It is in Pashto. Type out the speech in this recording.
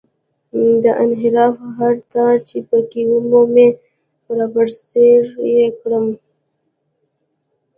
د انحراف هر تار چې په کې ومومم رابرسېره یې کړم.